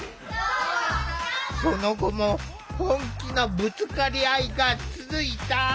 その後も本気のぶつかり合いが続いた。